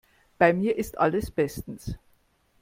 Bei mir ist alles bestens.